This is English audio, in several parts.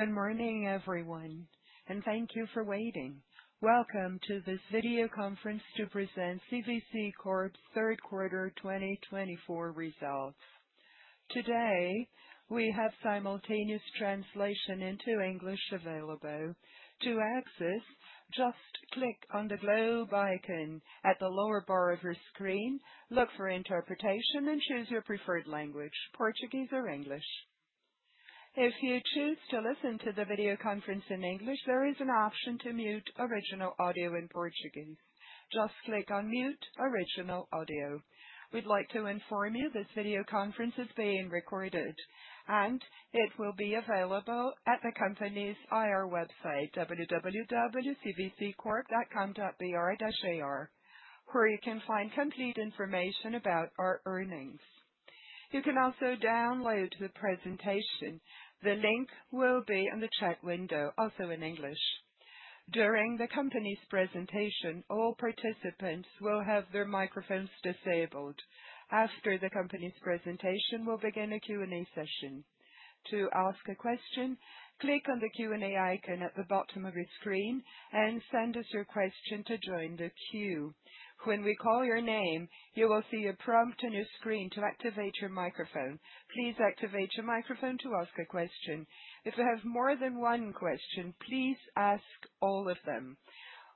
Good morning, everyone, and thank you for waiting. Welcome to this video conference to present CVC Corp's Third Quarter 2024 Results. Today, we have simultaneous translation into English available. To access, just click on the globe icon at the lower bar of your screen, look for "Interpretation," and choose your preferred language: Portuguese or English. If you choose to listen to the video conference in English, there is an option to mute original audio in Portuguese. Just click on "Mute Original Audio." We'd like to inform you this video conference is being recorded, and it will be available at the company's IR website: www.cvccorp.com.br/ir, where you can find complete information about our earnings. You can also download the presentation. The link will be in the chat window, also in English. During the company's presentation, all participants will have their microphones disabled. After the company's presentation, we'll begin a Q&A session. To ask a question, click on the Q&A icon at the bottom of your screen and send us your question to join the queue. When we call your name, you will see a prompt on your screen to activate your microphone. Please activate your microphone to ask a question. If you have more than one question, please ask all of them.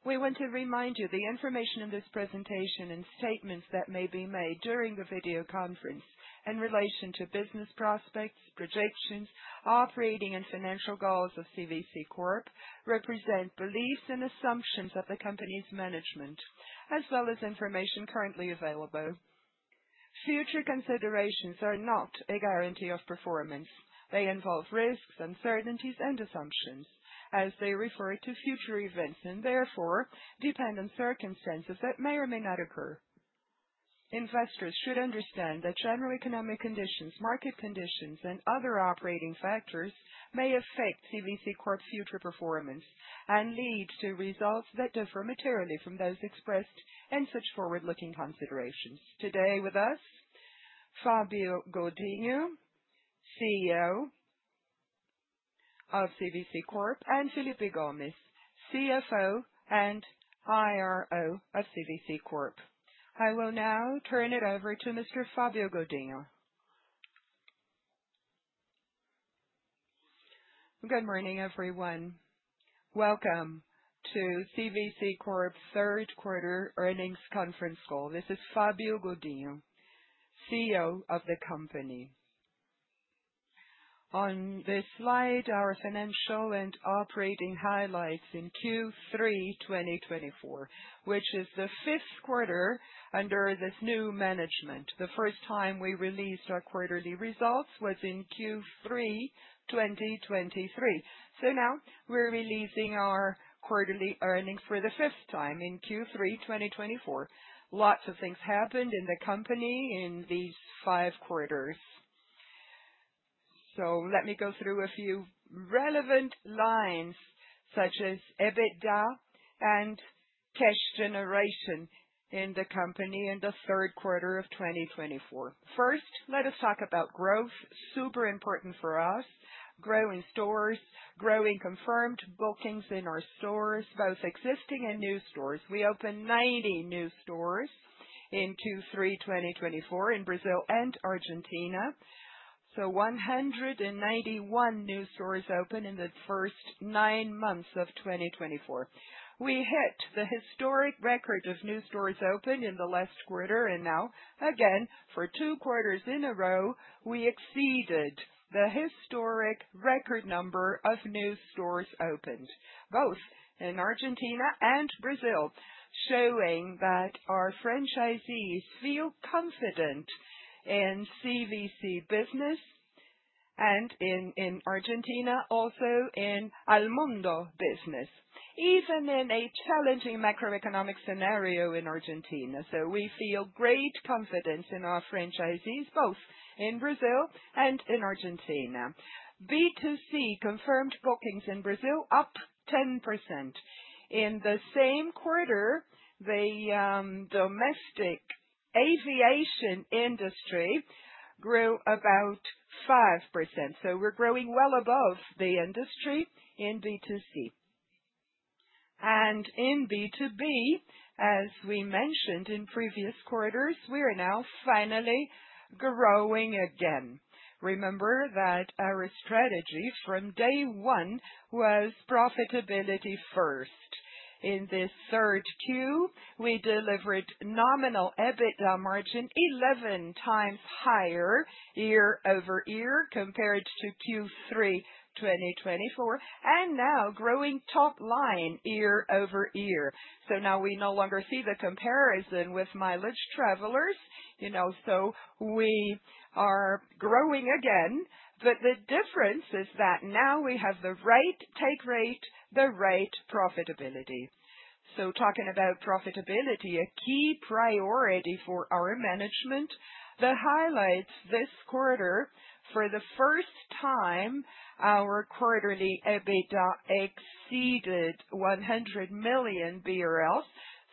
We want to remind you the information in this presentation and statements that may be made during the video conference, in relation to business prospects, projections, operating, and financial goals of CVC Corp, represent beliefs and assumptions of the company's management, as well as information currently available. Future considerations are not a guarantee of performance. They involve risks, uncertainties, and assumptions, as they refer to future events and, therefore, depend on circumstances that may or may not occur. Investors should understand that general economic conditions, market conditions, and other operating factors may affect CVC Corp's future performance and lead to results that differ materially from those expressed in such forward-looking considerations. Today with us, Fabio Godinho, CEO of CVC Corp, and Felipe Gomes, CFO and IRO of CVC Corp. I will now turn it over to Mr. Fabio Godinho. Good morning, everyone. Welcome to CVC Corp's third quarter earnings conference call. This is Fabio Godinho, CEO of the company. On this slide, our financial and operating highlights in Q3 2024, which is the fifth quarter under this new management. The first time we released our quarterly results was in Q3 2023. So now we're releasing our quarterly earnings for the fifth time in Q3 2024. Lots of things happened in the company in these five quarters. So let me go through a few relevant lines, such as EBITDA and cash generation in the company in the third quarter of 2024. First, let us talk about growth. Super important for us: growing stores, growing confirmed bookings in our stores, both existing and new stores. We opened 90 new stores in Q3 2024 in Brazil and Argentina. So, 191 new stores opened in the first nine months of 2024. We hit the historic record of new stores opened in the last quarter, and now, again, for two quarters in a row, we exceeded the historic record number of new stores opened, both in Argentina and Brazil, showing that our franchisees feel confident in CVC business and in Argentina, also in Almundo business, even in a challenging macroeconomic scenario in Argentina. So we feel great confidence in our franchisees, both in Brazil and in Argentina. B2C confirmed bookings in Brazil up 10%. In the same quarter, the domestic aviation industry grew about 5%. So we're growing well above the industry in B2C. And in B2B, as we mentioned in previous quarters, we are now finally growing again. Remember that our strategy from day one was profitability first. In this third quarter, we delivered nominal EBITDA margin 11x higher year-over-year compared to Q3 2024, and now growing top line year-over-year. So now we no longer see the comparison with mileage travelers. You know, so we are growing again, but the difference is that now we have the right take rate, the right profitability. So talking about profitability, a key priority for our management, the highlights this quarter, for the first time, our quarterly EBITDA exceeded 100 million BRL,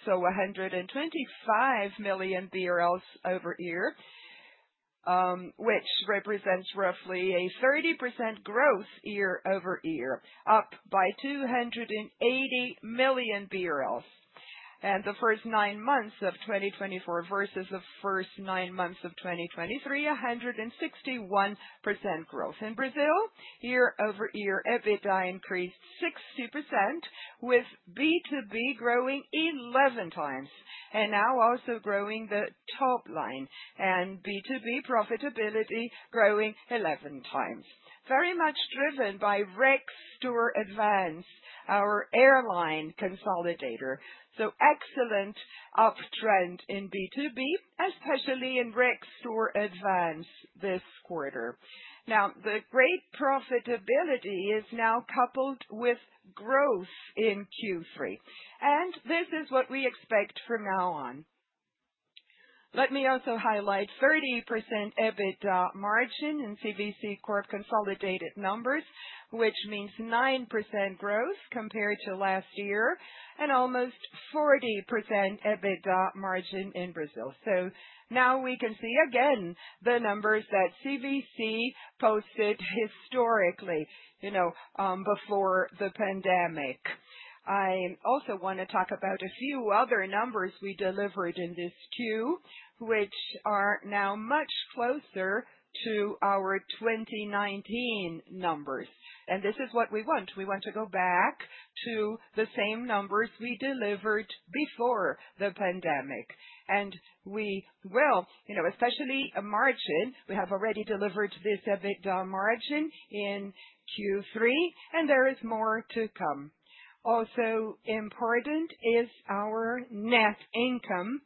so 125 million BRL over year, which represents roughly a 30% growth year-over-year, up by 280 million BRL. And the first nine months of 2024 versus the first nine months of 2023, 161% growth. In Brazil, year-over-year, EBITDA increased 60%, with B2B growing 11x, and now also growing the top line, and B2B profitability growing 11x. Very much driven by Rextur Advance, our airline consolidator. So excellent uptrend in B2B, especially in Rextur Advance this quarter. Now, the great profitability is now coupled with growth in Q3, and this is what we expect from now on. Let me also highlight 30% EBITDA margin in CVC Corp consolidated numbers, which means 9% growth compared to last year and almost 40% EBITDA margin in Brazil, so now we can see again the numbers that CVC posted historically, you know, before the pandemic. I also want to talk about a few other numbers we delivered in this Q, which are now much closer to our 2019 numbers, and this is what we want. We want to go back to the same numbers we delivered before the pandemic, and we will, you know, especially a margin. We have already delivered this EBITDA margin in Q3, and there is more to come. Also important is our net income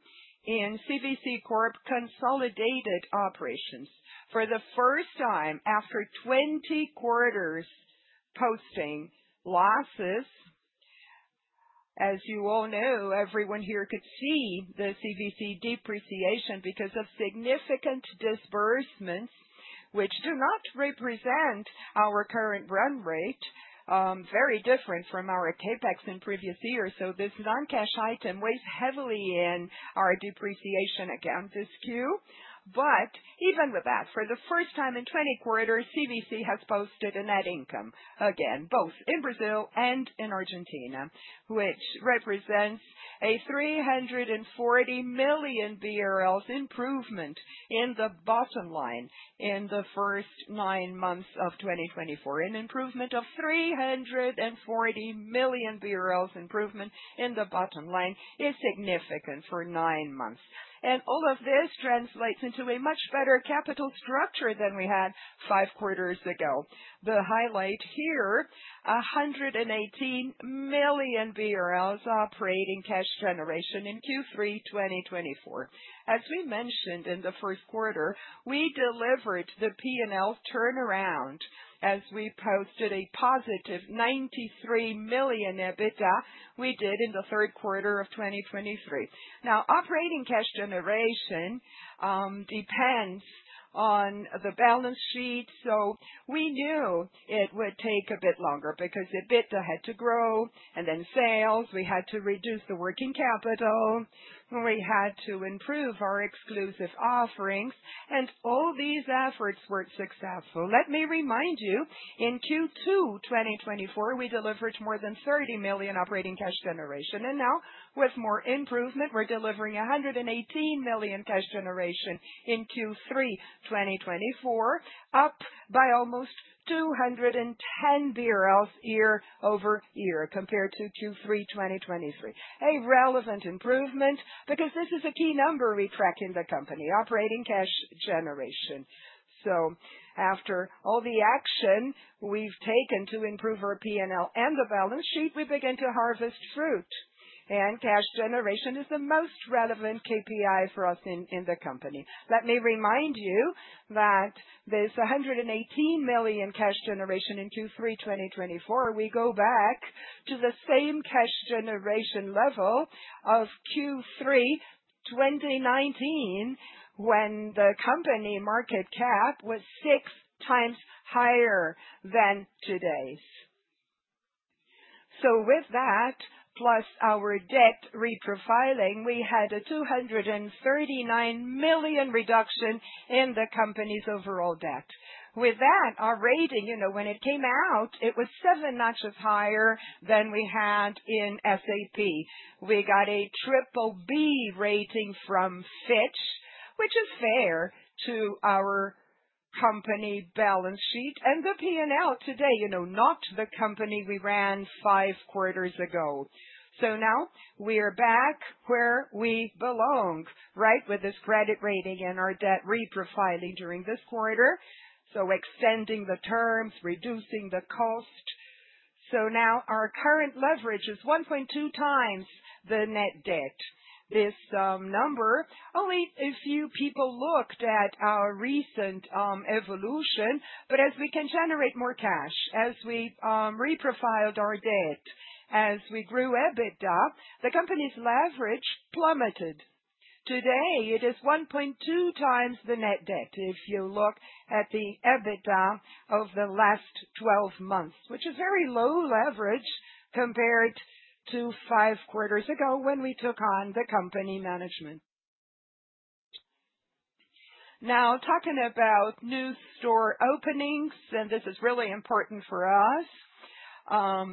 in CVC Corp consolidated operations. For the first time after 20 quarters posting losses, as you all know, everyone here could see the CVC depreciation because of significant disbursements, which do not represent our current run rate, very different from our CapEx in previous years. This non-cash item weighs heavily in our depreciation account this Q. Even with that, for the first time in 20 quarters, CVC has posted a net income again, both in Brazil and in Argentina, which represents a 340 million BRL improvement in the bottom line in the first nine months of 2024. An improvement of 340 million BRL in the bottom line is significant for nine months. All of this translates into a much better capital structure than we had five quarters ago. The highlight here, 118 million BRL operating cash generation in Q3 2024. As we mentioned in the first quarter, we delivered the P&L turnaround as we posted a positive 93 million EBITDA we did in the third quarter of 2023. Now, operating cash generation depends on the balance sheet, so we knew it would take a bit longer because EBITDA had to grow, and then sales, we had to reduce the working capital, we had to improve our exclusive offerings, and all these efforts weren't successful. Let me remind you, in Q2 2024, we delivered more than 30 million operating cash generation, and now with more improvement, we're delivering 118 million cash generation in Q3 2024, up by almost 210 BRL year-over-year compared to Q3 2023. A relevant improvement because this is a key number we track in the company, operating cash generation. So after all the action we've taken to improve our P&L and the balance sheet, we begin to harvest fruit, and cash generation is the most relevant KPI for us in the company. Let me remind you that this 118 million cash generation in Q3 2024, we go back to the same cash generation level of Q3 2019 when the company market cap was 6x higher than today's. So with that, plus our debt reprofiling, we had a 239 million reduction in the company's overall debt. With that, our rating, you know, when it came out, it was seven notches higher than we had in S&P. We got a BBB rating from Fitch, which is fair to our company balance sheet, and the P&L today, you know, not the company we ran five quarters ago. So now we are back where we belong, right, with this credit rating and our debt reprofiling during this quarter, so extending the terms, reducing the cost. So now our current leverage is 1.2 x the net debt. This number, only a few people looked at our recent evolution, but as we can generate more cash, as we reprofiled our debt, as we grew EBITDA, the company's leverage plummeted. Today, it is 1.2x the net debt if you look at the EBITDA of the last 12 months, which is very low leverage compared to five quarters ago when we took on the company management. Now, talking about new store openings, and this is really important for us,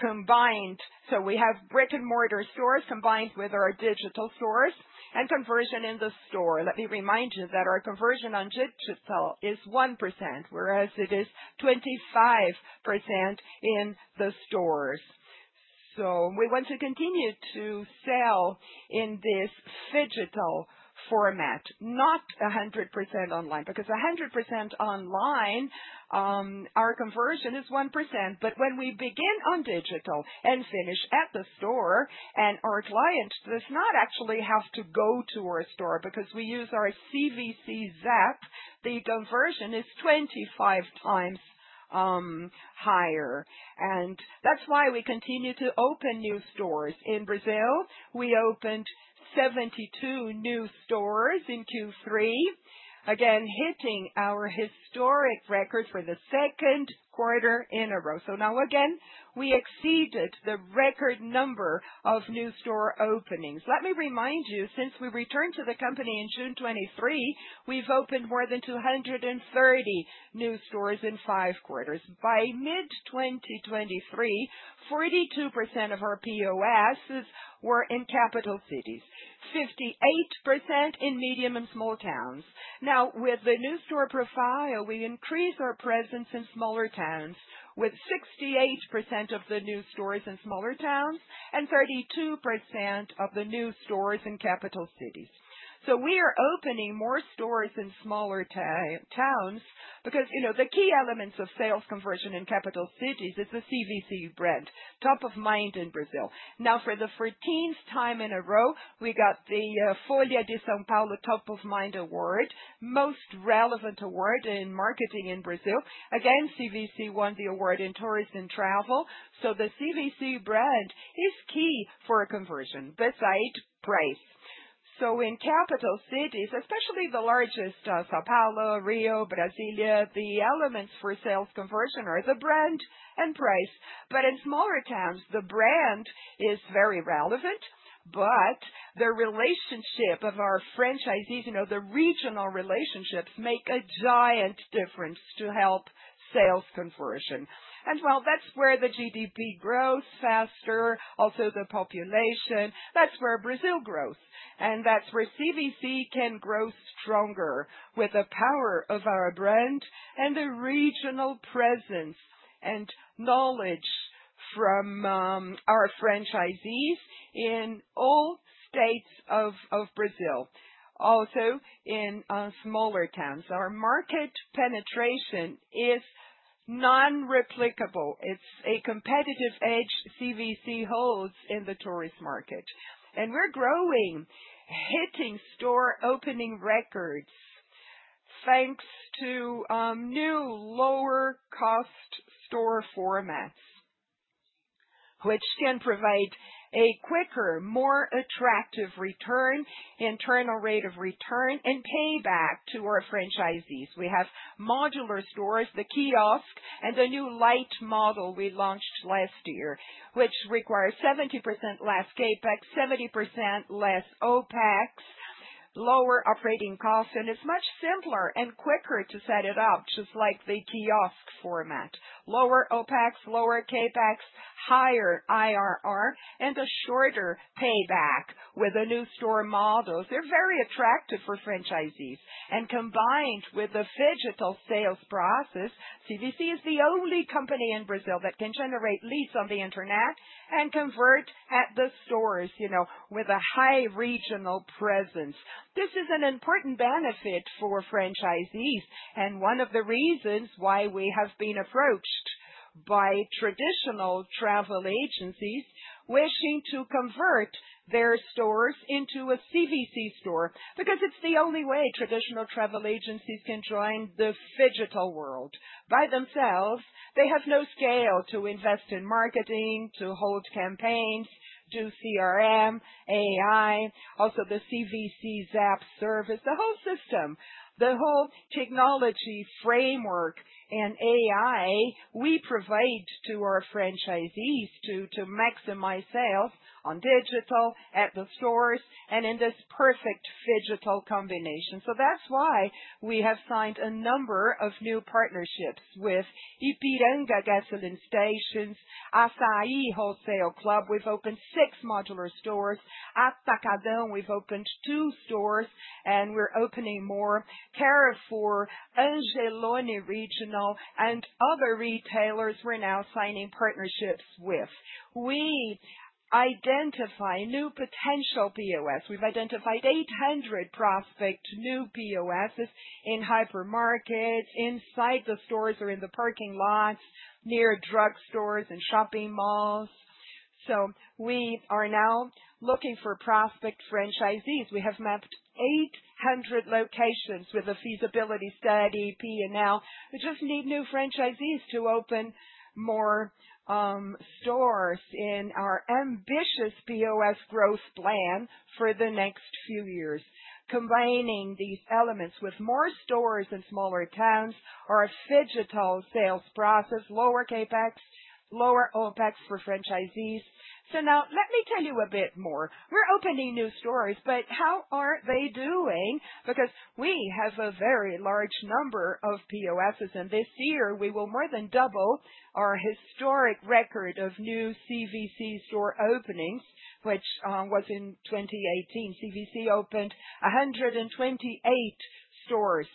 combined, so we have brick-and-mortar stores combined with our digital stores and conversion in the store. Let me remind you that our conversion on digital is 1%, whereas it is 25% in the stores, so we want to continue to sell in this phygital format, not 100% online, because 100% online, our conversion is 1%, but when we begin on digital and finish at the store, and our client does not actually have to go to our store because we use our CVC Zap, the conversion is 25x higher, and that's why we continue to open new stores. In Brazil, we opened 72 new stores in Q3, again hitting our historic record for the second quarter in a row, so now again, we exceeded the record number of new store openings. Let me remind you, since we returned to the company in June 2023, we've opened more than 230 new stores in five quarters. By mid-2023, 42% of our POSs were in capital cities, 58% in medium and small towns. Now, with the new store profile, we increase our presence in smaller towns with 68% of the new stores in smaller towns and 32% of the new stores in capital cities, so we are opening more stores in smaller towns because, you know, the key elements of sales conversion in capital cities is the CVC brand, top of mind in Brazil. Now, for the 14th time in a row, we got the Folha de S.Paulo top of mind award, most relevant award in marketing in Brazil. Again, CVC won the award in tourism and travel, so the CVC brand is key for a conversion, besides price, so in capital cities, especially the largest, São Paulo, Rio, Brasília, the elements for sales conversion are the brand and price. But in smaller towns, the brand is very relevant, but the relationship of our franchisees, you know, the regional relationships make a giant difference to help sales conversion. And while that's where the GDP grows faster, also the population, that's where Brazil grows, and that's where CVC can grow stronger with the power of our brand and the regional presence and knowledge from our franchisees in all states of Brazil. Also, in smaller towns, our market penetration is non-replicable. It's a competitive edge CVC holds in the tourist market. And we're growing, hitting store opening records thanks to new lower cost store formats, which can provide a quicker, more attractive return, Internal Rate of Return, and payback to our franchisees. We have modular stores, the kiosk, and the new light model we launched last year, which requires 70% less CapEx, 70% less OpEx, lower operating costs, and it's much simpler and quicker to set it up, just like the kiosk format. Lower OpEx, lower CapEx, higher IRR, and a shorter payback with the new store models. They're very attractive for franchisees, and combined with the phygital sales process, CVC is the only company in Brazil that can generate leads on the internet and convert at the stores, you know, with a high regional presence. This is an important benefit for franchisees and one of the reasons why we have been approached by traditional travel agencies wishing to convert their stores into a CVC store, because it's the only way traditional travel agencies can join the phygital world. By themselves, they have no scale to invest in marketing, to hold campaigns, do CRM, AI, also the CVC Zap service, the whole system, the whole technology framework and AI we provide to our franchisees to maximize sales on digital, at the stores, and in this perfect phygital combination. So that's why we have signed a number of new partnerships with Ipiranga Gasoline Stations, Assaí Wholesale Club. We've opened six modular stores. Atacadão, we've opened two stores, and we're opening more. Carrefour, Angélone Regional, and other retailers we're now signing partnerships with. We identify new potential POS. We've identified 800 prospective new POSs in hypermarkets, inside the stores or in the parking lots, near drugstores and shopping malls. So we are now looking for prospective franchisees. We have mapped 800 locations with a feasibility study, P&L. We just need new franchisees to open more stores in our ambitious POS growth plan for the next few years. Combining these elements with more stores in smaller towns are a phygital sales process, lower CapEx, lower OpEx for franchisees. So now let me tell you a bit more. We're opening new stores, but how are they doing? Because we have a very large number of POSs, and this year we will more than double our historic record of new CVC store openings, which was in 2018. CVC opened 128 stores,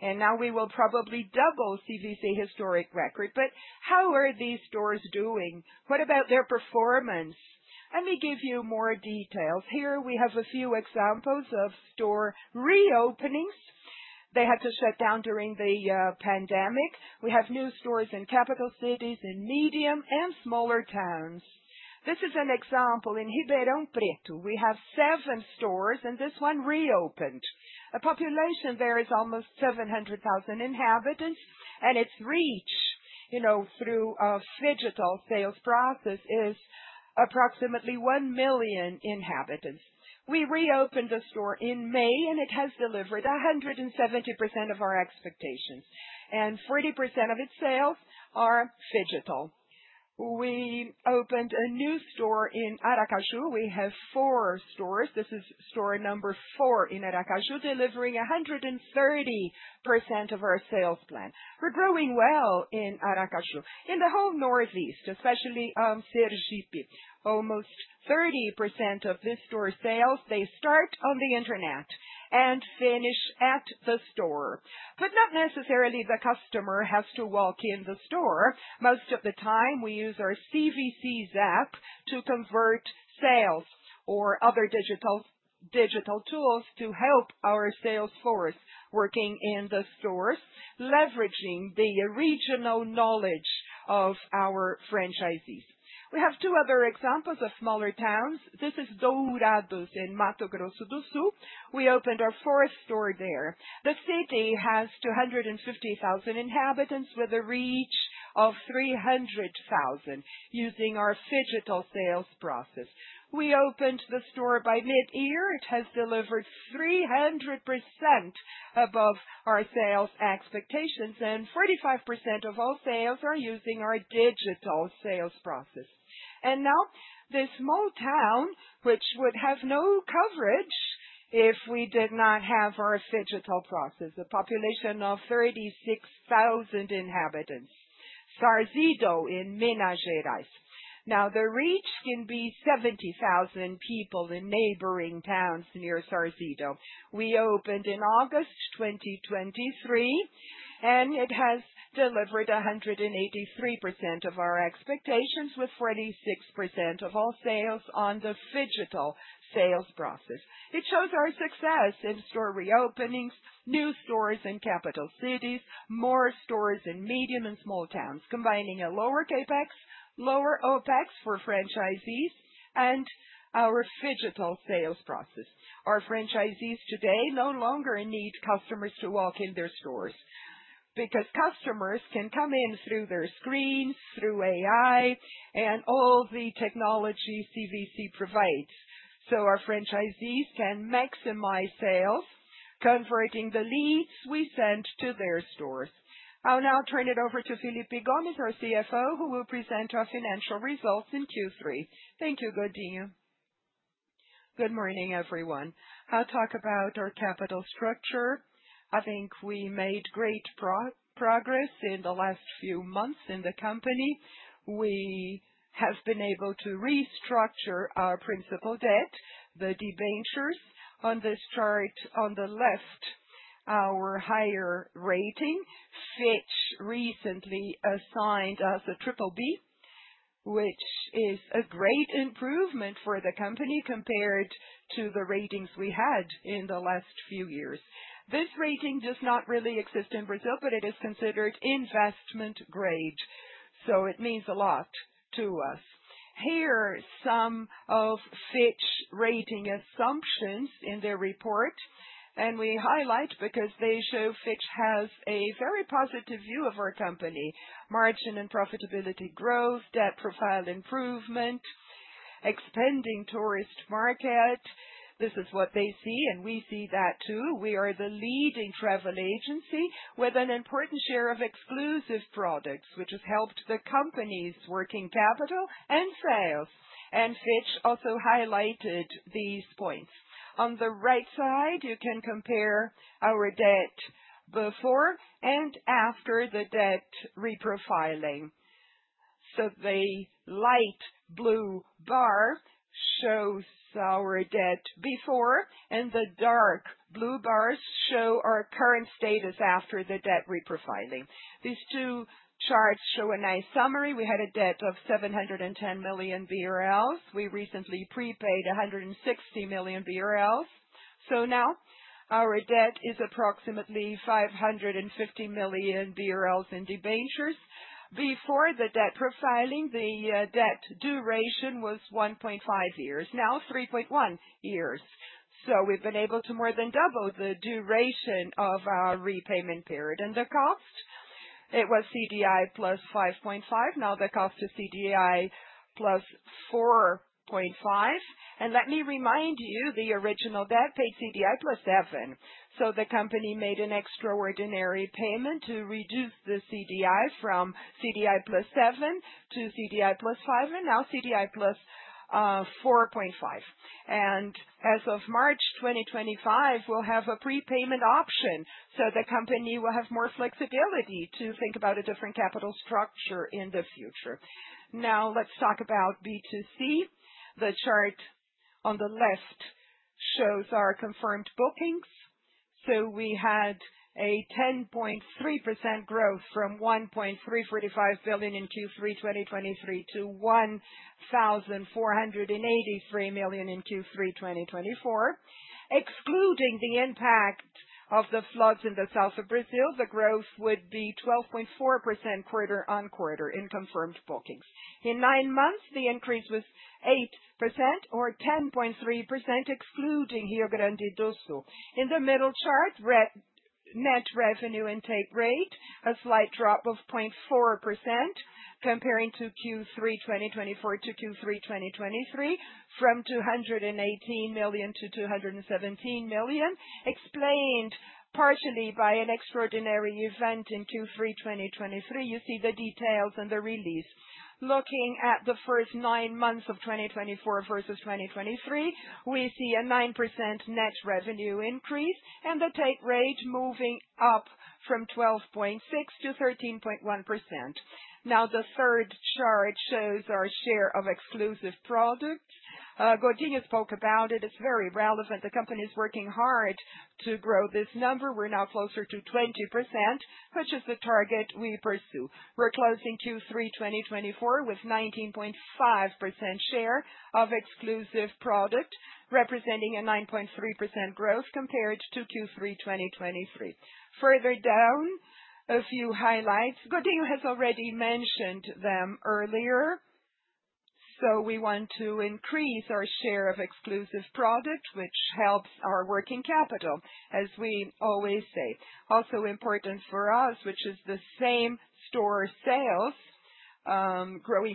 and now we will probably double CVC historic record. But how are these stores doing? What about their performance? Let me give you more details. Here we have a few examples of store reopenings. They had to shut down during the pandemic. We have new stores in capital cities, in medium and smaller towns. This is an example in Ribeirão Preto. We have seven stores, and this one reopened. The population there is almost 700,000 inhabitants, and its reach, you know, through a phygital sales process is approximately 1 million inhabitants. We reopened a store in May, and it has delivered 170% of our expectations, and 40% of its sales are phygital. We opened a new store in Aracaju. We have four stores. This is store number four in Aracaju, delivering 130% of our sales plan. We're growing well in Aracaju. In the whole Northeast, especially Sergipe, almost 30% of this store's sales, they start on the internet and finish at the store. But not necessarily the customer has to walk in the store. Most of the time, we use our CVC Zap to convert sales or other digital tools to help our sales force working in the stores, leveraging the original knowledge of our franchisees. We have two other examples of smaller towns. This is Dourados in Mato Grosso do Sul. We opened our fourth store there. The city has 250,000 inhabitants with a reach of 300,000 using our phygital sales process. We opened the store by mid-year. It has delivered 300% above our sales expectations, and 45% of all sales are using our digital sales process, and now this small town, which would have no coverage if we did not have our phygital process, a population of 36,000 inhabitants, Sarzedo in Minas Gerais. Now the reach can be 70,000 people in neighboring towns near Sarzedo. We opened in August 2023, and it has delivered 183% of our expectations with 46% of all sales on the phygital sales process. It shows our success in store reopenings, new stores in capital cities, more stores in medium and small towns, combining a lower CapEx, lower OpEx for franchisees and our phygital sales process. Our franchisees today no longer need customers to walk in their stores because customers can come in through their screens, through AI, and all the technology CVC provides. So our franchisees can maximize sales, converting the leads we send to their stores. I'll now turn it over to Felipe Gomes, our CFO, who will present our financial results in Q3. Thank you, Godinho. Good morning, everyone. I'll talk about our capital structure. I think we made great progress in the last few months in the company. We have been able to restructure our principal debt, the debentures. On this chart on the left, our higher rating, Fitch, recently assigned us a BBB, which is a great improvement for the company compared to the ratings we had in the last few years. This rating does not really exist in Brazil, but it is considered investment grade, so it means a lot to us. Here are some of Fitch rating assumptions in their report, and we highlight because they show Fitch has a very positive view of our company: margin and profitability growth, debt profile improvement, expanding tourist market. This is what they see, and we see that too. We are the leading travel agency with an important share of exclusive products, which has helped the company's working capital and sales. And Fitch also highlighted these points. On the right side, you can compare our debt before and after the debt reprofiling. So the light blue bar shows our debt before, and the dark blue bars show our current status after the debt reprofiling. These two charts show a nice summary. We had a debt of 710 million BRL. We recently prepaid 160 million BRL. So now our debt is approximately 550 million BRL in debentures. Before the debt profiling, the debt duration was 1.5 years. Now 3.1 years. So we've been able to more than double the duration of our repayment period. And the cost, it was CDI +5.5. Now the cost is CDI +4.5. And let me remind you, the original debt paid CDI +7. So the company made an extraordinary payment to reduce the CDI from CDI +7 to CDI +5, and now CDI +4.5. As of March 2025, we'll have a prepayment option, so the company will have more flexibility to think about a different capital structure in the future. Now let's talk about B2C. The chart on the left shows our confirmed bookings. So we had a 10.3% growth from 1.345 billion in Q3 2023 to 1,483 million in Q3 2024. Excluding the impact of the floods in the south of Brazil, the growth would be 12.4% quarter-on-quarter in confirmed bookings. In nine months, the increase was 8% or 10.3%, excluding Rio Grande do Sul. In the middle chart, net revenue take rate, a slight drop of 0.4% comparing Q3 2024 to Q3 2023 from 218 million to 217 million, explained partially by an extraordinary event in Q3 2023. You see the details in the release. Looking at the first nine months of 2024 versus 2023, we see a 9% net revenue increase and the take rate moving up from 12.6% to 13.1%. Now the third chart shows our share of exclusive products. Godinho spoke about it. It's very relevant. The company is working hard to grow this number. We're now closer to 20%, which is the target we pursue. We're closing Q3 2024 with 19.5% share of exclusive product, representing a 9.3% growth compared to Q3 2023. Further down, a few highlights. Godinho has already mentioned them earlier. So we want to increase our share of exclusive product, which helps our working capital, as we always say. Also important for us, which is the same store sales, growing 5%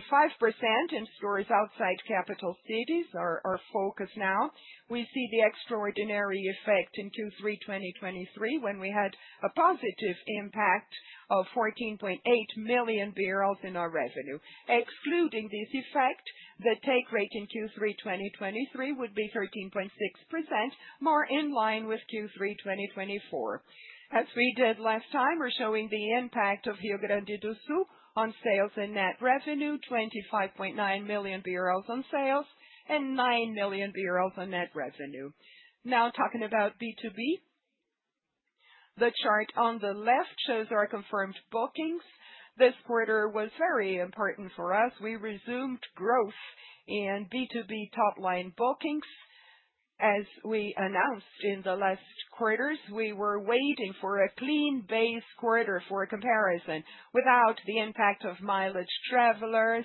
in stores outside capital cities are our focus now. We see the extraordinary effect in Q3 2023 when we had a positive impact of 14.8 million in our revenue. Excluding this effect, the take rate in Q3 2023 would be 13.6%, more in line with Q3 2024. As we did last time, we're showing the impact of Rio Grande do Sul on sales and net revenue, 25.9 million BRL on sales and 9 million BRL on net revenue. Now talking about B2B, the chart on the left shows our confirmed bookings. This quarter was very important for us. We resumed growth in B2B top-line bookings. As we announced in the last quarters, we were waiting for a clean base quarter for comparison without the impact of mileage travelers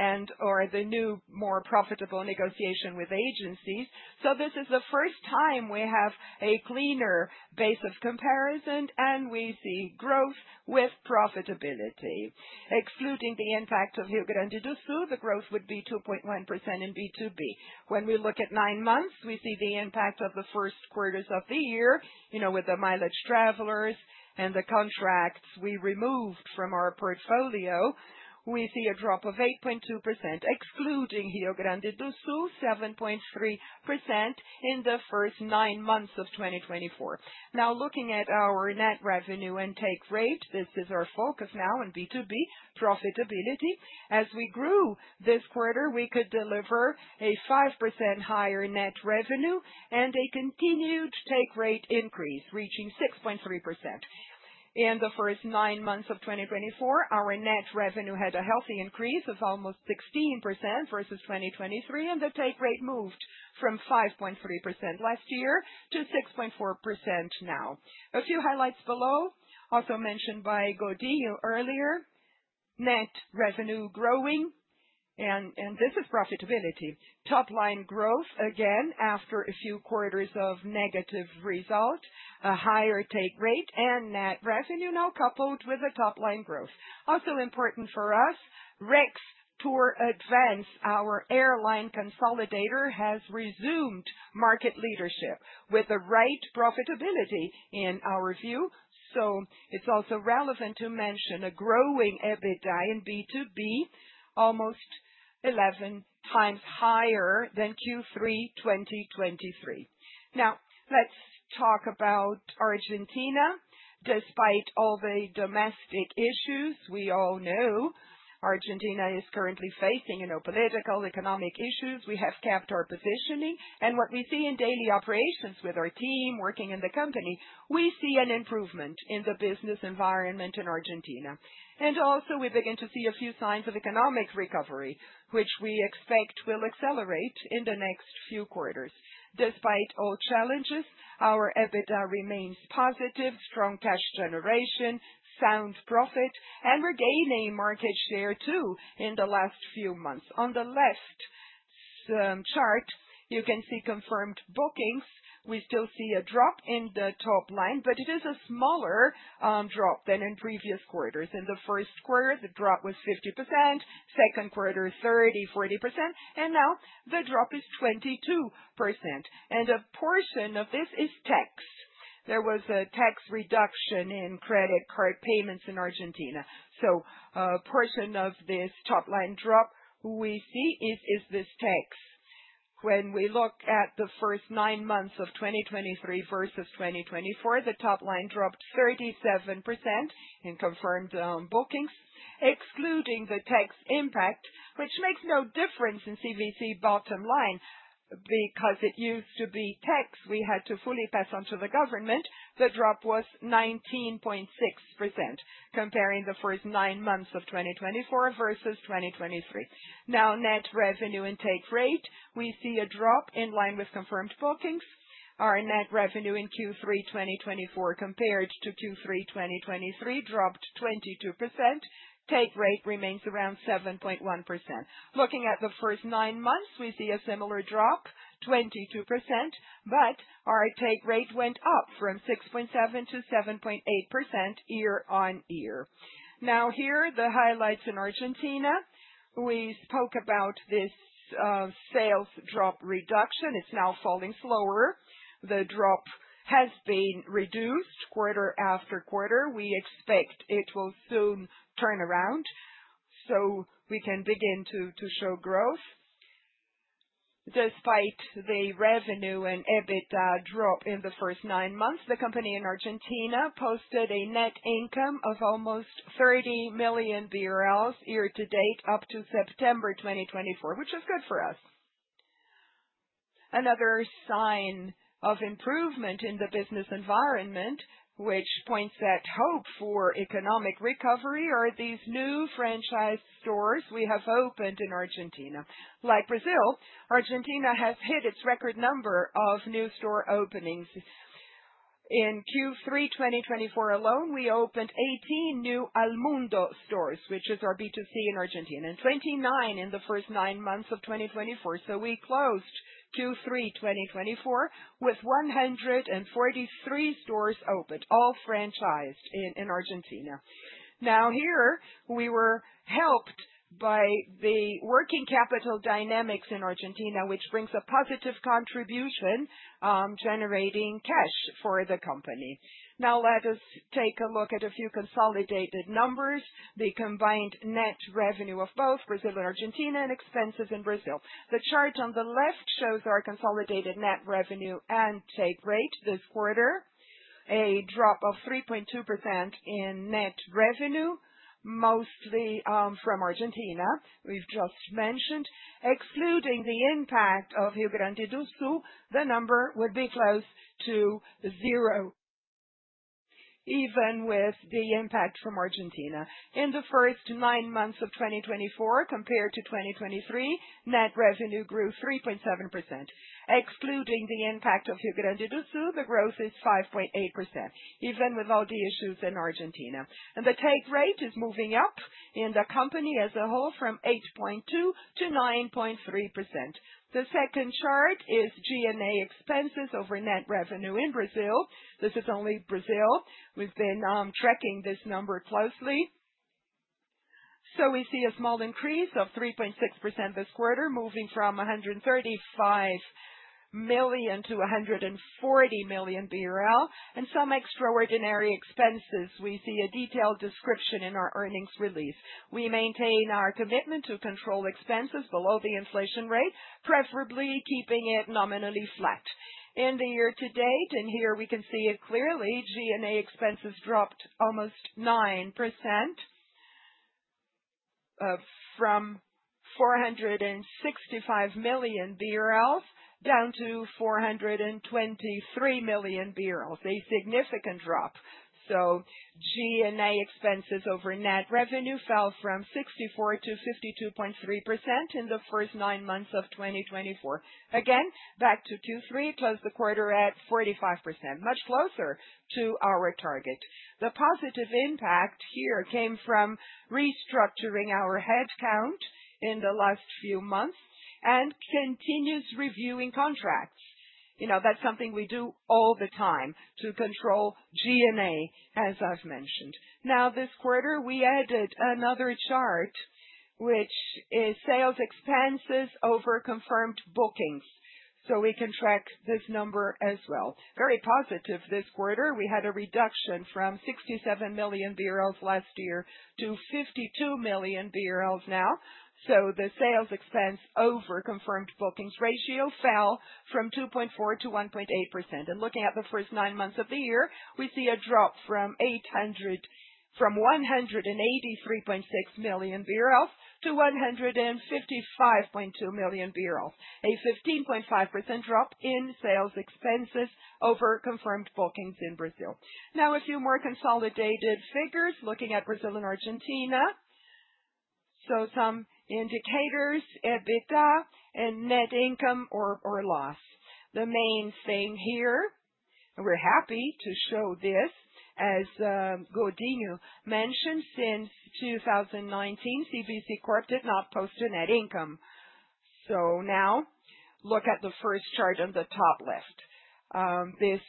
and/or the new more profitable negotiation with agencies. So this is the first time we have a cleaner base of comparison, and we see growth with profitability. Excluding the impact of Rio Grande do Sul, the growth would be 2.1% in B2B. When we look at nine months, we see the impact of the first quarters of the year, you know, with the mileage travelers and the contracts we removed from our portfolio. We see a drop of 8.2%, excluding Rio Grande do Sul, 7.3% in the first nine months of 2024. Now looking at our net revenue and take rate, this is our focus now in B2B profitability. As we grew this quarter, we could deliver a 5% higher net revenue and a continued take rate increase reaching 6.3%. In the first nine months of 2024, our net revenue had a healthy increase of almost 16% versus 2023, and the take rate moved from 5.3% last year to 6.4% now. A few highlights below, also mentioned by Godinho earlier, net revenue growing, and this is profitability. Top-line growth again after a few quarters of negative result, a higher take rate and net revenue now coupled with a top-line growth. Also important for us, Rextur Advance, our airline consolidator, has resumed market leadership with the right profitability in our view. So it's also relevant to mention a growing EBITDA in B2B, almost 11x higher than Q3 2023. Now let's talk about Argentina. Despite all the domestic issues, we all know Argentina is currently facing political, economic issues. We have kept our positioning, and what we see in daily operations with our team working in the company, we see an improvement in the business environment in Argentina, and also we begin to see a few signs of economic recovery, which we expect will accelerate in the next few quarters. Despite all challenges, our EBITDA remains positive, strong cash generation, sound profit, and we're gaining market share too in the last few months. On the left chart, you can see confirmed bookings. We still see a drop in the top line, but it is a smaller drop than in previous quarters. In the first quarter, the drop was 50%. Second quarter, 30%-40%. And now the drop is 22%. And a portion of this is tax. There was a tax reduction in credit card payments in Argentina. So a portion of this top-line drop we see is this tax. When we look at the first nine months of 2023 versus 2024, the top line dropped 37% in confirmed bookings, excluding the tax impact, which makes no difference in CVC bottom line because it used to be tax. We had to fully pass on to the government. The drop was 19.6% comparing the first nine months of 2024 versus 2023. Now net revenue and take rate, we see a drop in line with confirmed bookings. Our net revenue in Q3 2024 compared to Q3 2023 dropped 22%. Take rate remains around 7.1%. Looking at the first nine months, we see a similar drop, 22%, but our take rate went up from 6.7% to 7.8% year on year. Now here, the highlights in Argentina. We spoke about this sales drop reduction. It's now falling slower. The drop has been reduced quarter after quarter. We expect it will soon turn around so we can begin to show growth. Despite the revenue and EBITDA drop in the first nine months, the company in Argentina posted a net income of almost 30 million BRL year to date up to September 2024, which is good for us. Another sign of improvement in the business environment, which points at hope for economic recovery, are these new franchise stores we have opened in Argentina. Like Brazil, Argentina has hit its record number of new store openings. In Q3 2024 alone, we opened 18 new Almundo stores, which is our B2C in Argentina, and 29 in the first nine months of 2024, so we closed Q3 2024 with 143 stores opened, all franchised in Argentina. Now here, we were helped by the working capital dynamics in Argentina, which brings a positive contribution, generating cash for the company. Now let us take a look at a few consolidated numbers, the combined net revenue of both Brazil and Argentina and expenses in Brazil. The chart on the left shows our consolidated net revenue and take rate this quarter, a drop of 3.2% in net revenue, mostly from Argentina, we've just mentioned. Excluding the impact of Rio Grande do Sul, the number would be close to zero, even with the impact from Argentina. In the first nine months of 2024, compared to 2023, net revenue grew 3.7%. Excluding the impact of Rio Grande do Sul, the growth is 5.8%, even with all the issues in Argentina. And the take rate is moving up in the company as a whole from 8.2% to 9.3%. The second chart is G&A expenses over net revenue in Brazil. This is only Brazil. We've been tracking this number closely. So we see a small increase of 3.6% this quarter, moving from 135 million to 140 million BRL. And some extraordinary expenses, we see a detailed description in our earnings release. We maintain our commitment to control expenses below the inflation rate, preferably keeping it nominally flat. In the year to date, and here we can see it clearly, G&A expenses dropped almost 9% from 465 million down to 423 million, a significant drop. So G&A expenses over net revenue fell from 64% to 52.3% in the first nine months of 2024. Again, back to Q3, it closed the quarter at 45%, much closer to our target. The positive impact here came from restructuring our headcount in the last few months and continuous reviewing contracts. You know, that's something we do all the time to control G&A, as I've mentioned. Now, this quarter, we added another chart, which is sales expenses over confirmed bookings. So we can track this number as well. Very positive this quarter. We had a reduction from 67 million BRL last year to 52 million BRL now. So the sales expense over confirmed bookings ratio fell from 2.4% to 1.8%. Looking at the first nine months of the year, we see a drop from 183.6 million to 155.2 million, a 15.5% drop in sales expenses over confirmed bookings in Brazil. Now, a few more consolidated figures looking at Brazil and Argentina. Some indicators, EBITDA and net income or loss. The main thing here, and we're happy to show this, as Godinho mentioned, since 2019, CVC Corp did not post a net income. Look at the first chart on the top left. This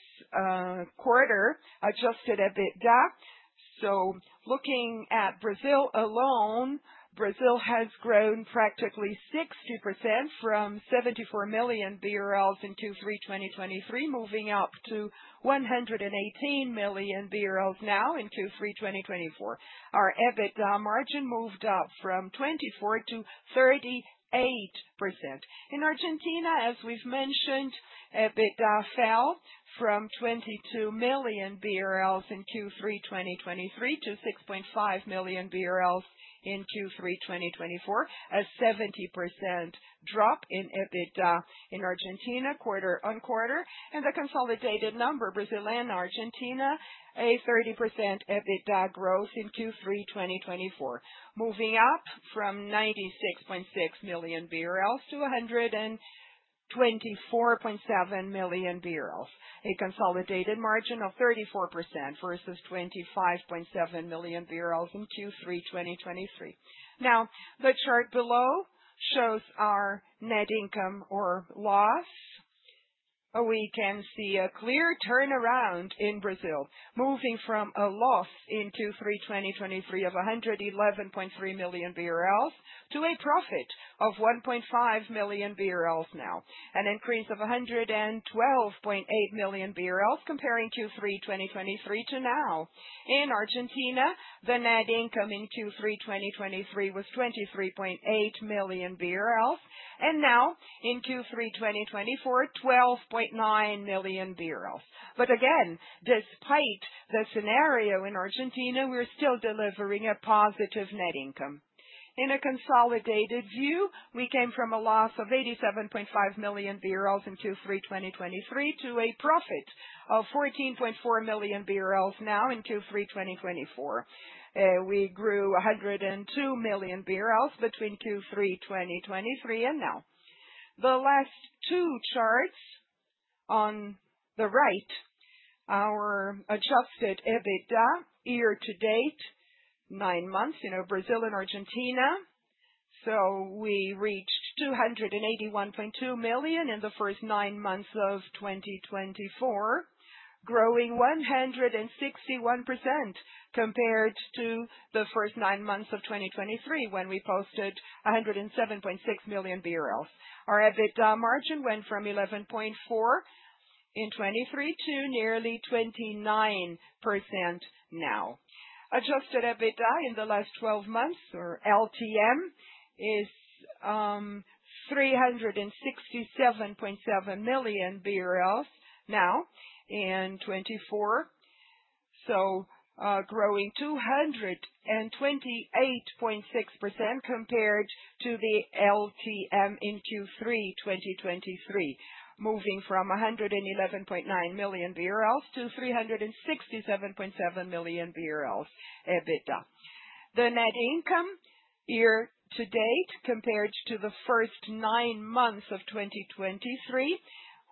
quarter adjusted EBITDA. Looking at Brazil alone, Brazil has grown practically 60% from 74 million BRL in Q3 2023, moving up to 118 million BRL now in Q3 2024. Our EBITDA margin moved up from 24% to 38%. In Argentina, as we've mentioned, EBITDA fell from 22 million BRL in Q3 2023 to 6.5 million BRL in Q3 2024, a 70% drop in EBITDA in Argentina quarter-on-quarter. And the consolidated number, Brazil and Argentina, a 30% EBITDA growth in Q3 2024, moving up from 96.6 million to 124.7 million, a consolidated margin of 34% versus 25.7 million in Q3 2023. Now, the chart below shows our net income or loss. We can see a clear turnaround in Brazil, moving from a loss in Q3 2023 of 111.3 million BRL to a profit of 1.5 million BRL now, an increase of 112.8 million BRL comparing Q3 2023 to now. In Argentina, the net income in Q3 2023 was 23.8 million BRL, and now in Q3 2024, 12.9 million BRL. But again, despite the scenario in Argentina, we're still delivering a positive net income. In a consolidated view, we came from a loss of 87.5 million in Q3 2023 to a profit of 14.4 million now in Q3 2024. We grew 102 million between Q3 2023 and now. The last two charts on the right, our adjusted EBITDA year to date, nine months, you know, Brazil and Argentina. So we reached 281.2 million in the first nine months of 2024, growing 161% compared to the first nine months of 2023 when we posted 107.6 million BRL. Our EBITDA margin went from 11.4% in 2023 to nearly 29% now. Adjusted EBITDA in the last 12 months, or LTM, is 367.7 million BRL now in 2024, so growing 228.6% compared to the LTM in Q3 2023, moving from 111.9 million BRL to 367.7 million BRL EBITDA. The net income year to date compared to the first nine months of 2023,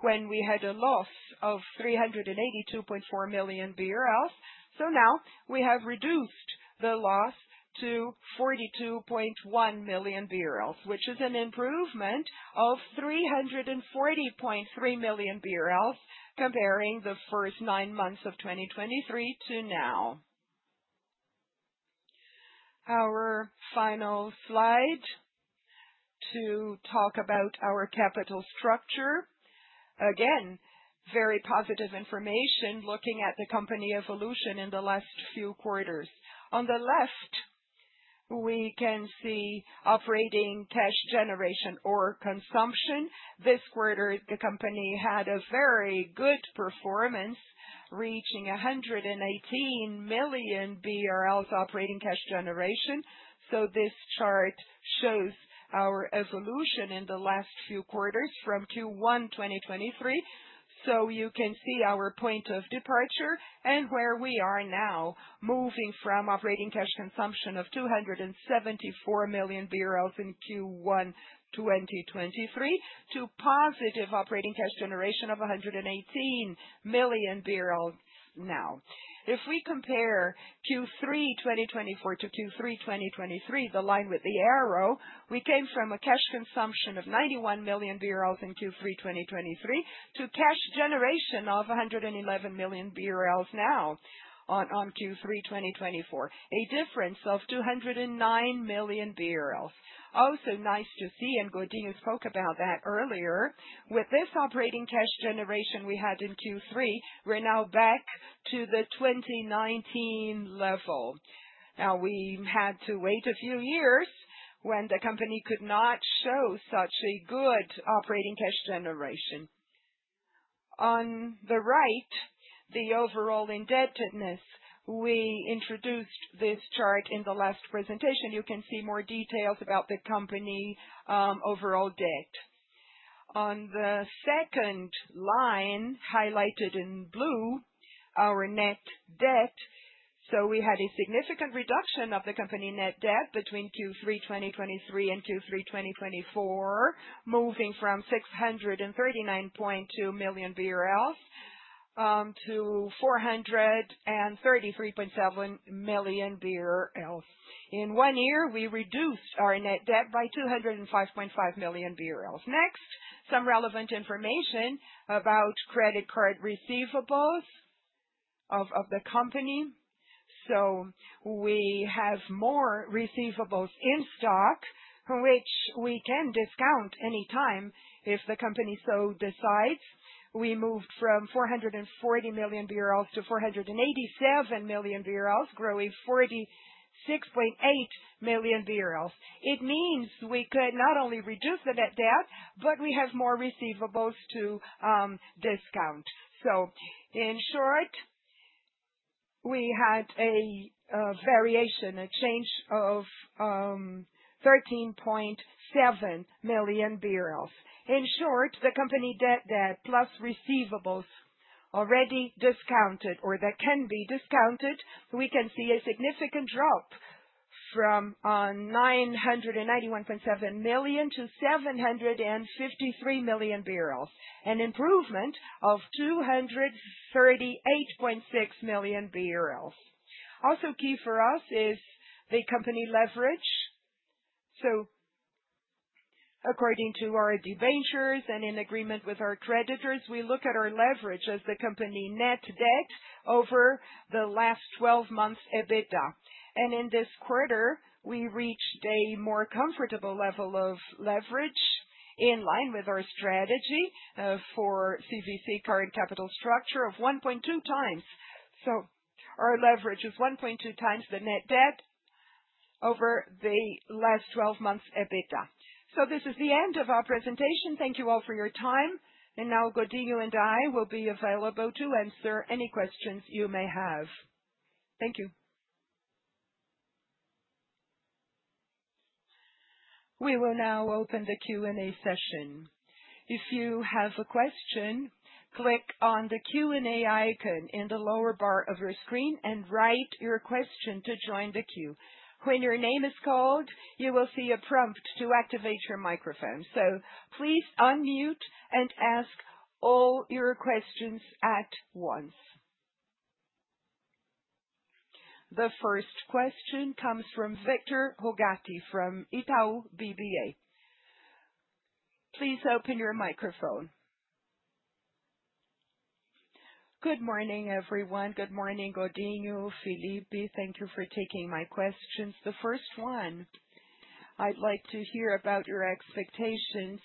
when we had a loss of 382.4 million BRL, so now we have reduced the loss to 42.1 million BRL, which is an improvement of 340.3 million BRL comparing the first nine months of 2023 to now. Our final slide to talk about our capital structure. Again, very positive information looking at the company evolution in the last few quarters. On the left, we can see operating cash generation or consumption. This quarter, the company had a very good performance, reaching 118 million BRL operating cash generation. So this chart shows our evolution in the last few quarters from Q1 2023. So you can see our point of departure and where we are now, moving from operating cash consumption of 274 million in Q1 2023 to positive operating cash generation of 118 million now. If we compare Q3 2024 to Q3 2023, the line with the arrow, we came from a cash consumption of 91 million BRL in Q3 2023 to cash generation of 111 million BRL now on Q3 2024, a difference of 209 million BRL. Also nice to see, and Godinho spoke about that earlier, with this operating cash generation we had in Q3, we're now back to the 2019 level. Now, we had to wait a few years when the company could not show such a good operating cash generation. On the right, the overall indebtedness. We introduced this chart in the last presentation. You can see more details about the company overall debt. On the second line, highlighted in blue, our net debt. So we had a significant reduction of the company net debt between Q3 2023 and Q3 2024, moving from 639.2 million BRL to 433.7 million BRL. In one year, we reduced our net debt by 205.5 million BRL. Next, some relevant information about credit card receivables of the company. So we have more receivables in stock, which we can discount anytime if the company so decides. We moved from 440 million to 487 million growing 46.8 million. It means we could not only reduce the net debt, but we have more receivables to discount. So in short, we had a variation, a change of 13.7 million. In short, the company debt that plus receivables already discounted or that can be discounted, we can see a significant drop from 991.7 million to 753 million, an improvement of 238.6 million. Also, key for us is the company leverage. According to our debentures and in agreement with our creditors, we look at our leverage as the company net debt over the last 12 months EBITDA. And in this quarter, we reached a more comfortable level of leverage in line with our strategy for CVC current capital structure of 1.2x. So our leverage is 1.2x the net debt over the last 12 months EBITDA. So this is the end of our presentation. Thank you all for your time. And now Godinho and I will be available to answer any questions you may have. Thank you. We will now open the Q&A session. If you have a question, click on the Q&A icon in the lower bar of your screen and write your question to join the queue. When your name is called, you will see a prompt to activate your microphone. So please unmute and ask all your questions at once. The first question comes from Victor Rogatis from Itaú BBA. Please open your microphone. Good morning, everyone. Good morning, Godinho, Felipe. Thank you for taking my questions. The first one, I'd like to hear about your expectations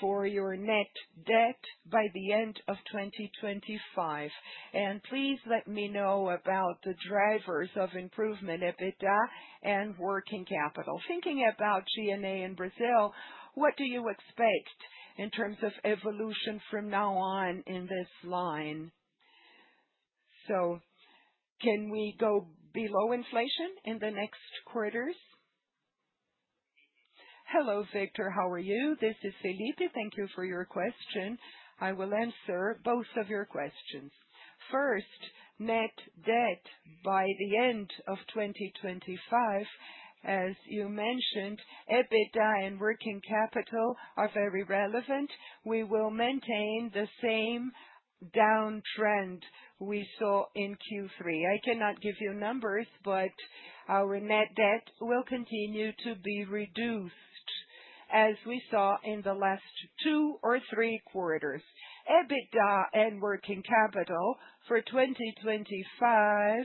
for your net debt by the end of 2025. And please let me know about the drivers of improvement, EBITDA and working capital. Thinking about G&A in Brazil, what do you expect in terms of evolution from now on in this line? So can we go below inflation in the next quarters? Hello, Victor. How are you? This is Felipe. Thank you for your question. I will answer both of your questions. First, net debt by the end of 2025, as you mentioned, EBITDA and working capital are very relevant. We will maintain the same downtrend we saw in Q3. I cannot give you numbers, but our net debt will continue to be reduced as we saw in the last two or three quarters. EBITDA and working capital for 2025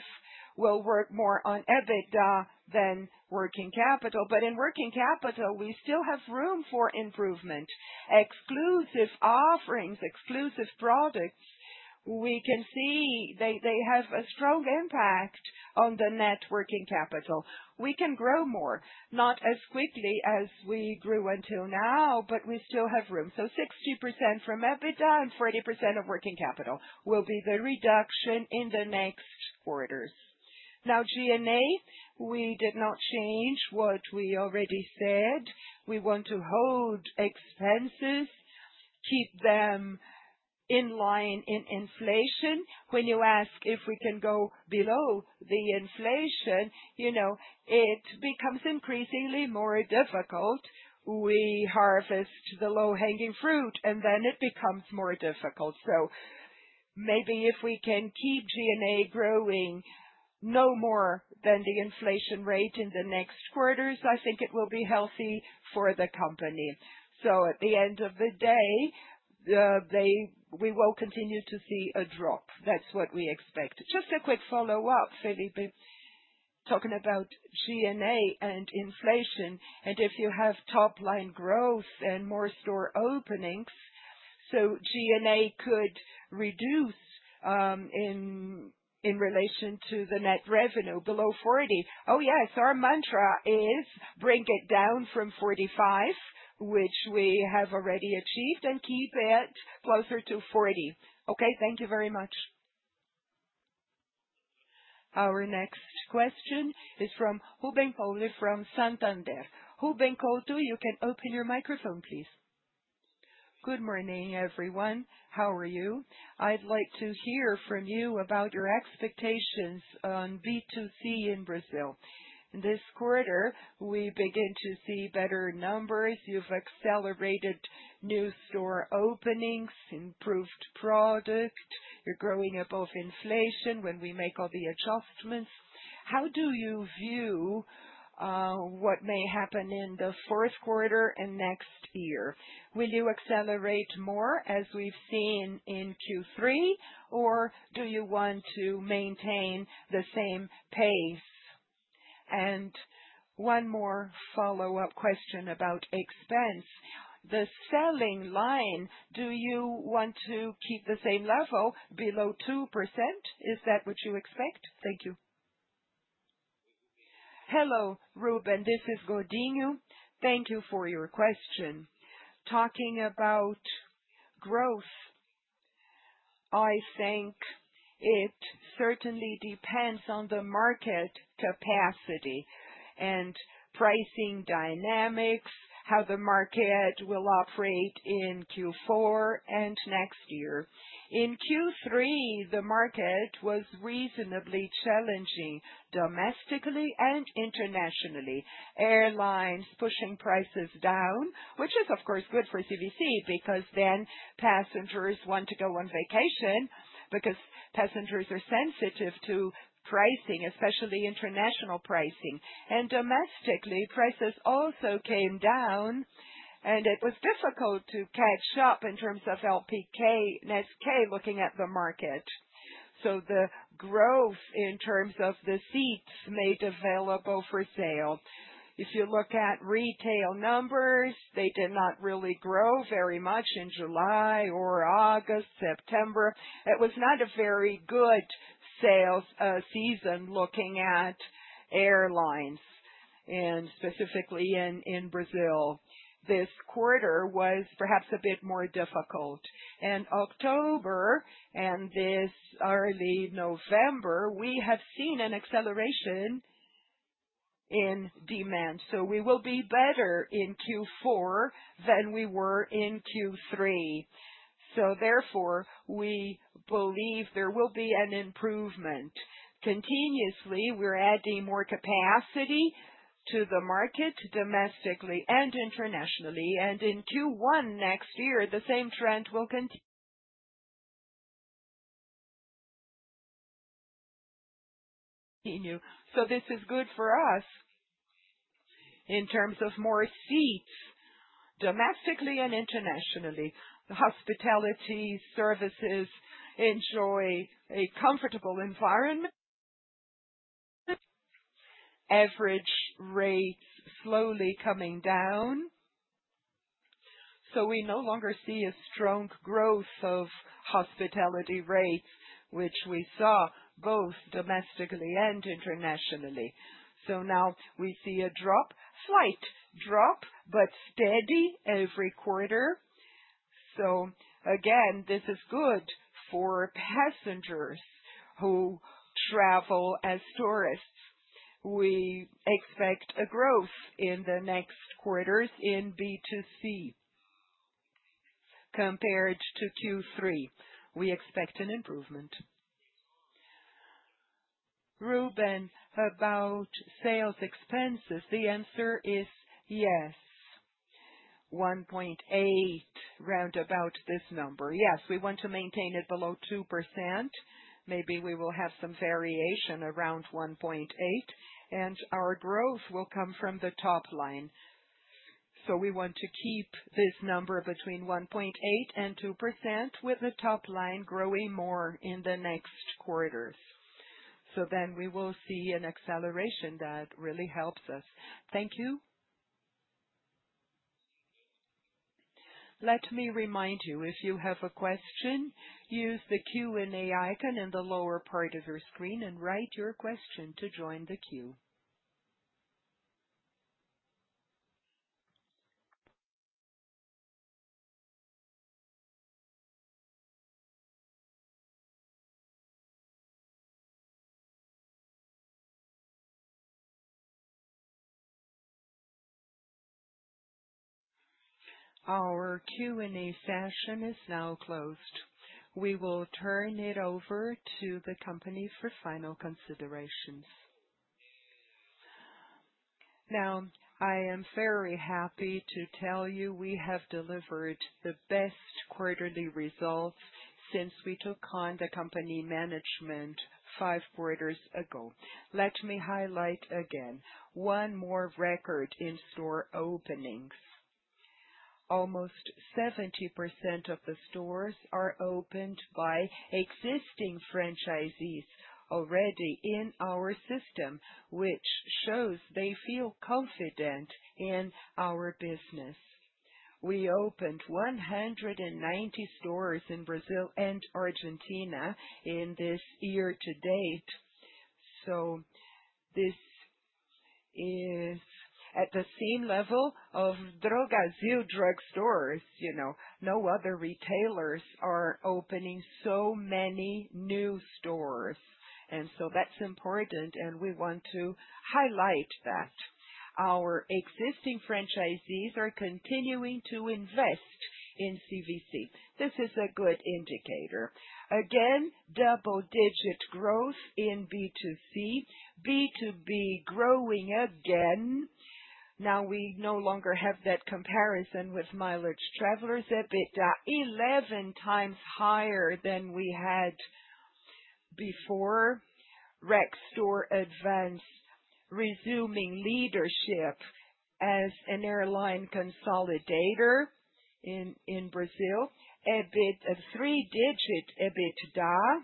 will work more on EBITDA than working capital. But in working capital, we still have room for improvement. Exclusive offerings, exclusive products, we can see they have a strong impact on the net working capital. We can grow more, not as quickly as we grew until now, but we still have room. So 60% from EBITDA and 40% of working capital will be the reduction in the next quarters. Now, G&A, we did not change what we already said. We want to hold expenses, keep them in line in inflation. When you ask if we can go below the inflation, you know, it becomes increasingly more difficult. We harvest the low-hanging fruit, and then it becomes more difficult. So maybe if we can keep G&A growing no more than the inflation rate in the next quarters, I think it will be healthy for the company. So at the end of the day, we will continue to see a drop. That's what we expect. Just a quick follow-up, Felipe, talking about G&A and inflation. And if you have top-line growth and more store openings, so G&A could reduce in relation to the net revenue below 40. Oh yes, our mantra is bring it down from 45, which we have already achieved, and keep it closer to 40. Okay, thank you very much. Our next question is from Rubens Couto from Santander. Rubens Couto, you can open your microphone, please. Good morning, everyone. How are you? I'd like to hear from you about your expectations on B2C in Brazil. This quarter, we begin to see better numbers. You've accelerated new store openings, improved product. You're growing above inflation when we make all the adjustments. How do you view what may happen in the fourth quarter and next year? Will you accelerate more as we've seen in Q3, or do you want to maintain the same pace? And one more follow-up question about expense. The selling line, do you want to keep the same level below 2%? Is that what you expect? Thank you. Hello, Ruben. This is Godinho. Thank you for your question. Talking about growth, I think it certainly depends on the market capacity and pricing dynamics, how the market will operate in Q4 and next year. In Q3, the market was reasonably challenging domestically and internationally. Airlines pushing prices down, which is of course good for CVC because then passengers want to go on vacation because passengers are sensitive to pricing, especially international pricing. Domestically, prices also came down, and it was difficult to catch up in terms of LPK, NESK, looking at the market. The growth in terms of the seats made available for sale. If you look at retail numbers, they did not really grow very much in July, August, September. It was not a very good sales season looking at airlines, and specifically in Brazil. This quarter was perhaps a bit more difficult. In October and this early November, we have seen an acceleration in demand. We will be better in Q4 than we were in Q3. Therefore, we believe there will be an improvement. Continuously, we're adding more capacity to the market domestically and internationally. In Q1 next year, the same trend will continue. This is good for us in terms of more seats domestically and internationally. Hospitality services enjoy a comfortable environment. Average rates slowly coming down. So we no longer see a strong growth of hospitality rates, which we saw both domestically and internationally. So now we see a drop, slight drop, but steady every quarter. So again, this is good for passengers who travel as tourists. We expect a growth in the next quarters in B2C compared to Q3. We expect an improvement. Ruben, about sales expenses, the answer is yes. 1.8%, round about this number. Yes, we want to maintain it below 2%. Maybe we will have some variation around 1.8%, and our growth will come from the top line. So we want to keep this number between 1.8% and 2% with the top line growing more in the next quarters. So then we will see an acceleration that really helps us. Thank you. Let me remind you, if you have a question, use the Q&A icon in the lower part of your screen and write your question to join the queue. Our Q&A session is now closed. We will turn it over to the company for final considerations. Now, I am very happy to tell you we have delivered the best quarterly results since we took on the company management five quarters ago. Let me highlight again one more record in store openings. Almost 70% of the stores are opened by existing franchisees already in our system, which shows they feel confident in our business. We opened 190 stores in Brazil and Argentina in this year to date. So this is at the same level of Drogasil drug stores, you know. No other retailers are opening so many new stores, and so that's important, and we want to highlight that. Our existing franchisees are continuing to invest in CVC. This is a good indicator. Again, double-digit growth in B2C, B2B growing again. Now, we no longer have that comparison with Mileage Travelers. EBITDA is 11x higher than we had before. Rextur Advance is resuming leadership as an airline consolidator in Brazil. EBITDA is three-digit EBITDA.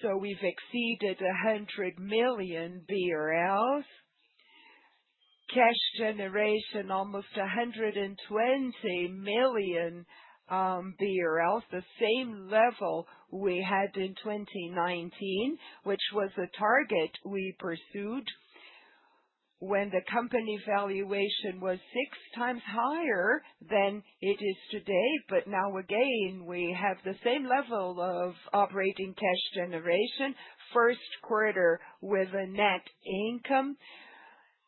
So we've exceeded 100 million BRL. Cash generation, almost 120 million BRL, the same level we had in 2019, which was a target we pursued when the company valuation was 6x higher than it is today. But now again, we have the same level of operating cash generation first quarter with a net income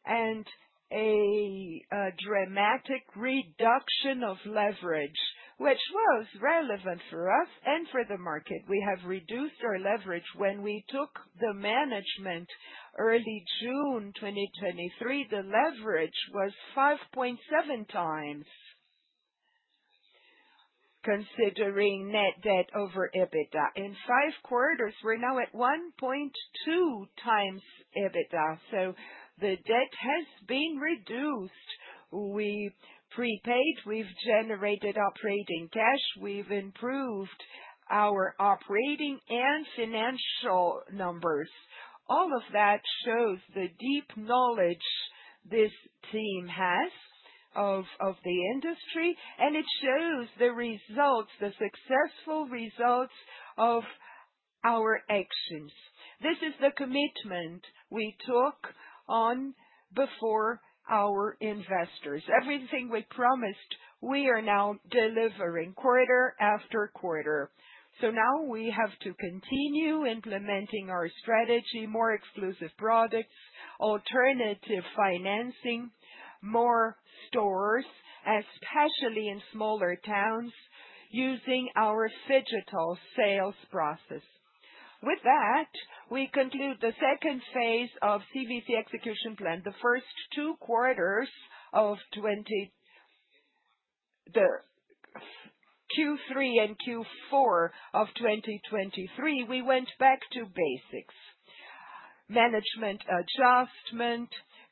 and a dramatic reduction of leverage, which was relevant for us and for the market. We have reduced our leverage when we took the management early June 2023. The leverage was 5.7x considering net debt over EBITDA. In five quarters, we're now at 1.2x EBITDA. So the debt has been reduced. We prepaid, we've generated operating cash, we've improved our operating and financial numbers. All of that shows the deep knowledge this team has of the industry, and it shows the results, the successful results of our actions. This is the commitment we took on before our investors. Everything we promised, we are now delivering quarter after quarter. So now we have to continue implementing our strategy, more exclusive products, alternative financing, more stores, especially in smaller towns, using our phygital sales process. With that, we conclude the second phase of CVC execution plan. The first two quarters of Q3 and Q4 of 2023, we went back to basics: management adjustment,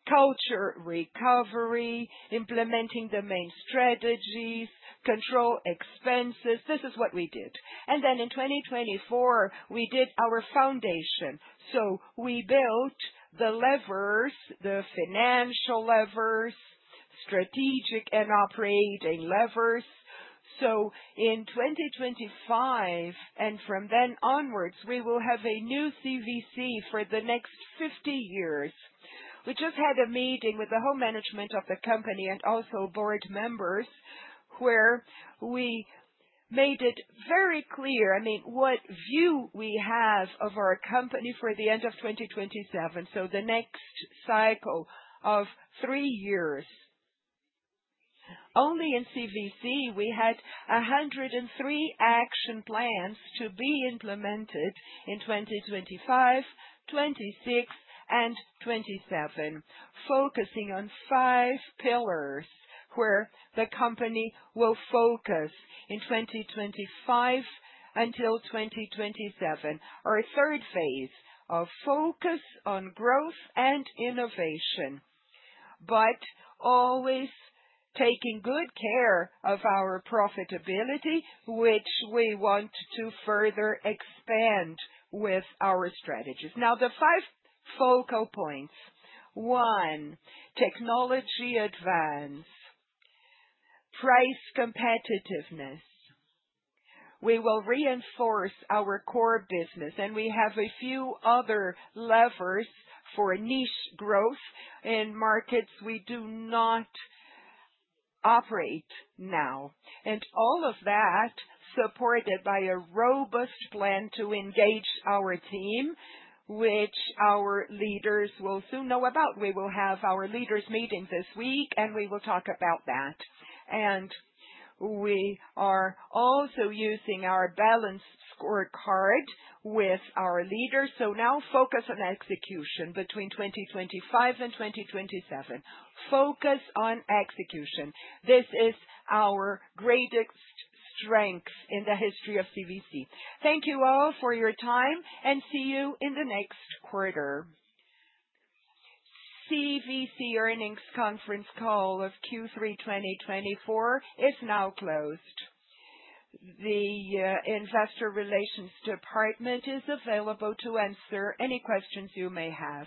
culture recovery, implementing the main strategies, control expenses. This is what we did. And then in 2024, we did our foundation. So we built the levers, the financial levers, strategic and operating levers. So in 2025, and from then onwards, we will have a new CVC for the next 50 years. We just had a meeting with the whole management of the company and also board members where we made it very clear, I mean, what view we have of our company for the end of 2027, so the next cycle of three years. Only in CVC, we had 103 action plans to be implemented in 2025, 2026, and 2027, focusing on five pillars where the company will focus in 2025 until 2027. Our third phase of focus on growth and innovation, but always taking good care of our profitability, which we want to further expand with our strategies. Now, the five focal points: one, technology advance, price competitiveness. We will reinforce our core business, and we have a few other levers for niche growth in markets we do not operate now. And all of that supported by a robust plan to engage our team, which our leaders will soon know about. We will have our leaders meeting this week, and we will talk about that. And we are also using our Balanced Scorecard with our leaders. So now focus on execution between 2025 and 2027. Focus on execution. This is our greatest strength in the history of CVC. Thank you all for your time, and see you in the next quarter. CVC earnings conference call of Q3 2024 is now closed. The investor relations department is available to answer any questions you may have.